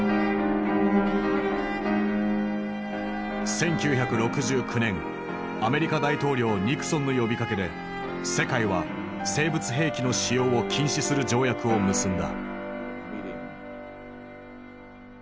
１９６９年アメリカ大統領ニクソンの呼びかけで世界は生物兵器の使用を禁止する条約を結んだ。